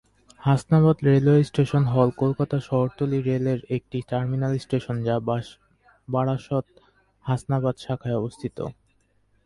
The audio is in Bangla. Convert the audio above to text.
হাসনাবাদ রেলওয়ে স্টেশন হল কলকাতা শহরতলি রেল এর একটি টার্মিনাল স্টেশন যা বারাসত-হাসনাবাদ শাখায় অবস্থিত।